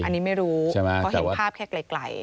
อันนี้ไม่รู้เพราะเห็นภาพแค่ไกล